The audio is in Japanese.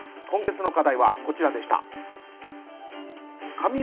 今月の課題はこちらでした。